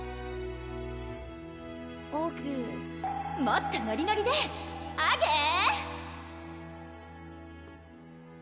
あげぇもっとノリノリでアゲー！